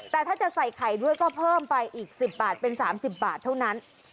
แต่ถ้าจะใส่ไข่ด้วยก็เพิ่มไปอีก๑๐บาทเป็น๓๐บาทเท่านั้น